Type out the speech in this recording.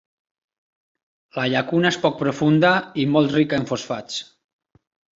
La llacuna és poc profunda i molt rica en fosfats.